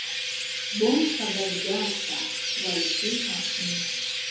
بۆم خهبەردارکه قوڕهیشی و هاشمی